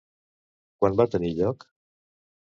Quan va tenir lloc?